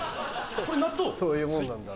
そういうもんなんだな。